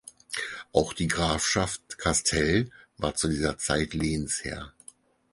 Auch die Grafschaft Castell war zu dieser Zeit Lehensherr.